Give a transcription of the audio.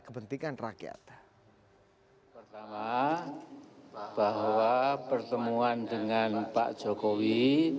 kepentingan rakyat pertama bahwa pertemuan dengan pak jokowi